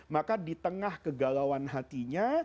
maka di tengah kegalauan hatinya